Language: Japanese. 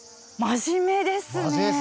真面目ですね。